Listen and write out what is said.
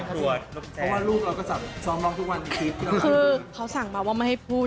คือเขาสั่งมาว่าไม่ให้พูด